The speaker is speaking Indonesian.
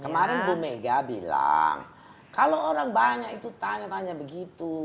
kemarin bu mega bilang kalau orang banyak itu tanya tanya begitu